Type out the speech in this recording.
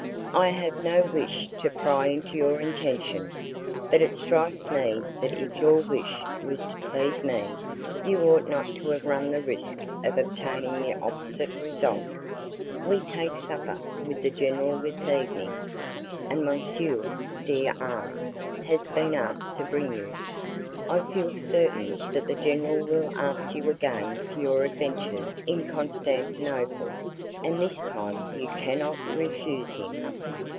"I have no wish to pry into your intentions, but it strikes me that if your wish was to please me, you ought not to have run the risk of obtaining the opposite result. We take supper with the general this evening, and M. D R has been asked to bring you. I feel certain that the general will ask you again for your adventures in Constantinople, and this time you cannot refuse him."